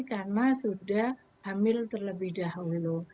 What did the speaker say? karena sudah hamil terlebih dahulu